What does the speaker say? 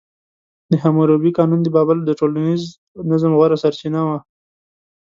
د حموربي قانون د بابل د ټولنیز نظم غوره سرچینه وه.